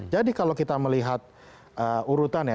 jadi kalau kita melihat urutan ya